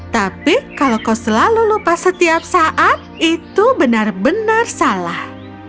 tapi kalau kau selalu lupa setiap saat itu benar benar salah